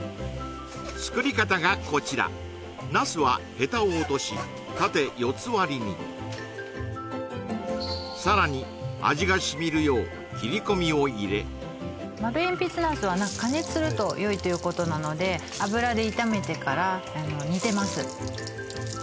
作り方がこちらナスはヘタを落とし縦４つ割りにさらに丸えんぴつナスは加熱するとよいということなので油で炒めてから煮てます